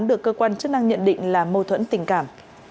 được cơ quan chức năng nhận định là mâu thuẫn tình cảm